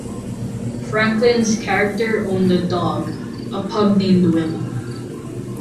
Franklin's character owned a dog, a pug named Willy.